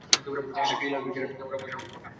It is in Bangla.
একটা ইলেকট্রিক চেয়ারে ওরা বসাবে তোমাকে।